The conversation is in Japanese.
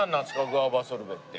グァバソルベって。